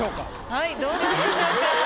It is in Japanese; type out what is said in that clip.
はいどうでしょうか？